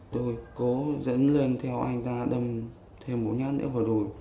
tôi cố dẫn lên theo anh ta đâm thêm một nhát nữa vào đùi